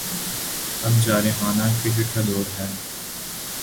اب جارحانہ کرکٹ کا دور ہے۔